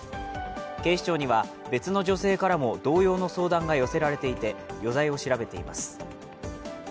警視庁には、別の女性からも同様の相談が寄せられていて余罪を調べています。